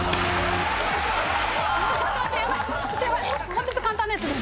もうちょっと簡単なやつ。